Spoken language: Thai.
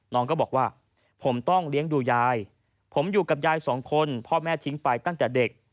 น้องก็บอกว่าผมต้องเลี้ยงดูยายผมอยู่กับยายสองคนพ่อแม่ทิ้งไปตั้งแต่เด็ก